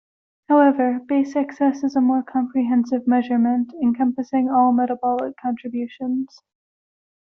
However, base excess is a more comprehensive measurement, encompassing all metabolic contributions.